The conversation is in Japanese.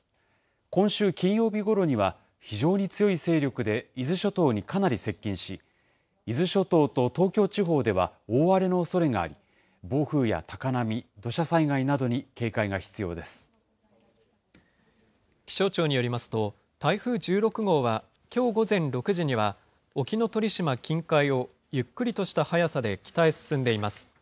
今週金曜日ごろには、非常に強い勢力で伊豆諸島にかなり接近し、伊豆諸島と東京地方では大荒れのおそれがあり、暴風や高波、気象庁によりますと、台風１６号はきょう午前６時には、沖ノ鳥島近海をゆっくりとした速さで北へ進んでいます。